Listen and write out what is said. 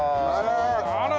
あら！